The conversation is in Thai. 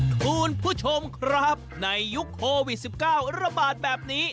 คุณผู้ชมครับในยุคโควิด๑๙ระบาดแบบนี้